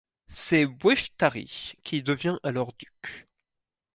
C'est Wechtari qui devient alors duc.